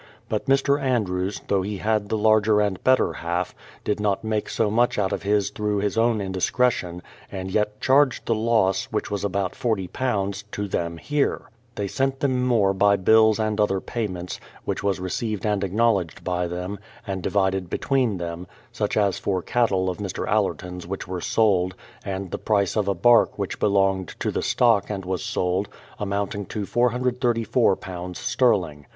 But Mr. Andrews, though he had the larger and better half, did not make so much out of his through his own indis cretion, and yet charged the loss, which was about £40, to them here. They sent them more by bills and other payments, which was received and acknowledged by them, and divided between them, such as for cattle of Mr. Aller ton's which were sold, and the price of a bark which be 296 BRADFORD'S HISTORY OF longed to the stock and was sold, amounting to £434 sterling.